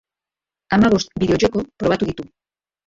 Hamabost bideojoko probatu ditu.